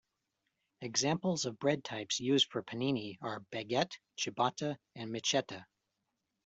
Examples of bread types used for panini are baguette, ciabatta, and michetta.